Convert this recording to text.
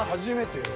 初めて。